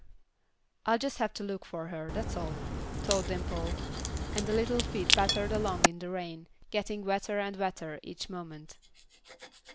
"I'll just have to look for her, that's all," thought Dimple; and the little feet pattered along in the rain, getting wetter and wetter each moment.